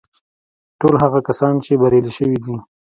ټول هغه کسان چې بريالي شوي دي.